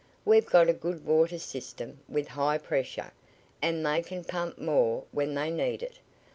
We've got a good water system, with high pressure, an' they can pump more when they need it.